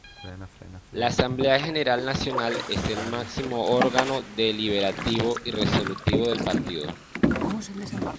La Asamblea General Nacional es el máximo órgano deliberativo y resolutivo del partido.